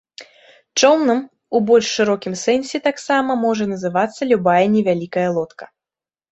Чоўнам у больш шырокім сэнсе таксама можа называцца любая невялікія лодка.